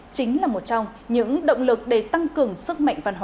chính là một trong những động lực để tăng cường sức mạnh văn hóa